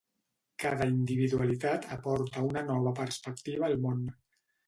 Cada individualitat aporta una nova perspectiva al món.